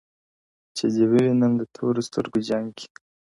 چي دي و وینم د تورو سترګو جنګ کي,